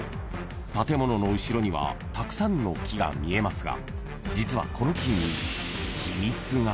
建物の後ろにはたくさんの木が見えますが実はこの］